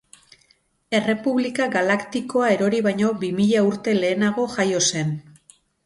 Errepublika Galaktikoa erori baino bi mila urte lehenago jaio zen.